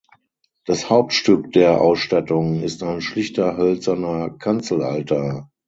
Das Hauptstück der Ausstattung ist ein schlichter hölzerner Kanzelaltar.